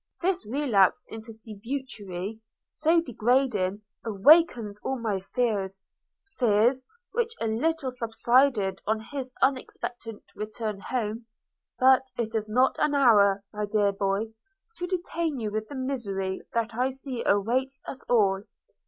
This relapse into debauchery, so degrading, awakens all my fears – fears, which a little subsided on his unexpected return home. But it is not an hour, my dear boy, to detain you with the misery that I see awaits us all.